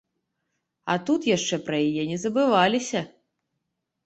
А тут яшчэ пра яе не забываліся.